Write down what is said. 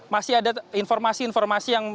masih ada informasi informasi yang